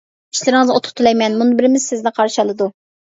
ئىشلىرىڭىزغا ئۇتۇق تىلەيمەن. ، مۇنبىرىمىز سىزنى قارشى ئالىدۇ.